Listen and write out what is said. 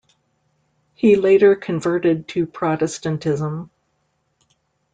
He later converted to Protestantism.